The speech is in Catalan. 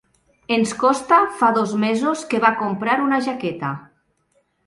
Ens costa fa dos mesos que va comprar una jaqueta.